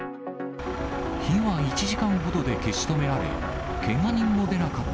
火は１時間ほどで消し止められ、けが人も出なかった